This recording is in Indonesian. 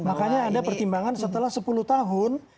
makanya ada pertimbangan setelah sepuluh tahun